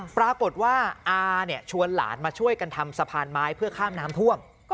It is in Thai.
ปรากฏว่าอาชวนหลานมาช่วยกันทำสะพานไม้เพื่อข้ามน้ำท่วม